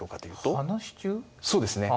そうですね。